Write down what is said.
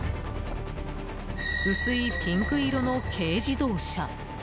薄いピンク色の軽自動車。